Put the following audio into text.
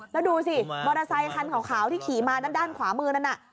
แล้วดูสิมอเตอร์ไซคันขาวที่ขี่มาด้านขวามือนั้นน่ะ